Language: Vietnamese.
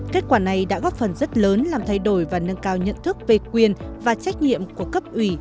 kết quả này đã góp phần rất lớn làm thay đổi và nâng cao nhận thức về quyền và trách nhiệm của cấp ủy